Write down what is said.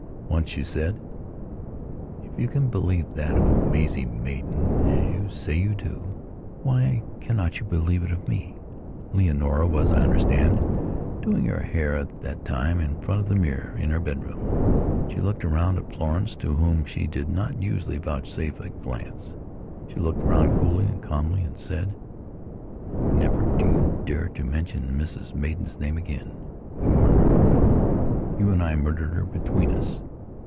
Once she said: "If you can believe that of Maisie Maidan, as you say you do, why cannot you believe it of me?" Leonora was, I understand, doing her hair at that time in front of the mirror in her bedroom. And she looked round at Florence, to whom she did not usually vouchsafe a glance, she looked round coolly and calmly, and said: "Never do you dare to mention Mrs Maidan's name again. You murdered her. You and I murdered her between us.